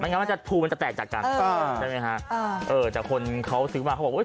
ไม่งั้นมันจะพูดมันจะแตกจากกันเออได้ไหมฮะเออแต่คนเขาซื้อมาเขาบอกว่าเฮ้ย